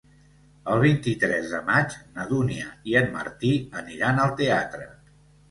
El vint-i-tres de maig na Dúnia i en Martí aniran al teatre.